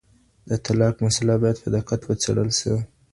د طلاق مسله باید په دقت وڅېړل سي.